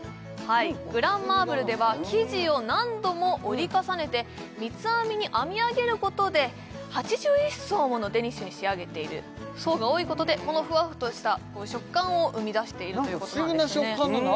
グランマーブルでは生地を何度も折り重ねて三つ編みに編み上げることで８１層ものデニッシュに仕上げている層が多いことでふわっとした食感を生み出しているんです不思議な食感なんだ